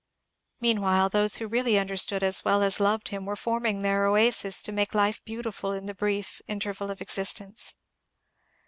Meanwhile, those who really understood as well as loved him were forming their oases to make life beautiful in the brief interval of existence.